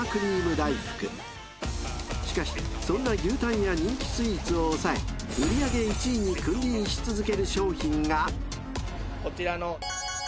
［しかしそんな牛タンや人気スイーツを抑え売り上げ１位に君臨し続ける商品が］